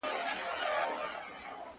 په دې ډېر ولس کي چا وهلی مول دی!